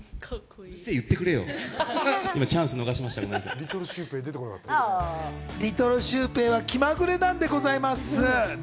リトルシュウペイ出てこなか気まぐれなんでございます。